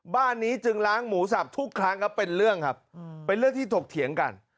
บ้านนี้จึงล้างหมูสับทุกครั้งครับเป็นเรื่องครับเป็นเรื่องที่ถกเถียงกัน